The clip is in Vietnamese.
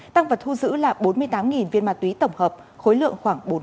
tăng vật thu giữ là bốn mươi tám viên ma túy tổng hợp khối lượng khoảng bốn tám kg